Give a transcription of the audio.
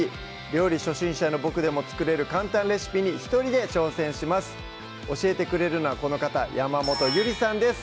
料理初心者のボクでも作れる簡単レシピに一人で挑戦します教えてくれるのはこの方山本ゆりさんです